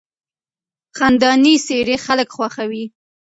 خندانې څېرې خلک خوښوي.